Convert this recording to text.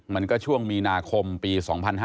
มันก็ช่วงมีนาคมปี๒๕๕๙